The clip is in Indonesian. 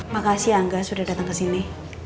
makasih ya angga sudah datang kesini